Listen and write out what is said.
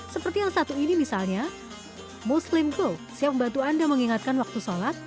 seperti yang satu ini misalnya muslim go siap membantu anda mengingatkan waktu sholat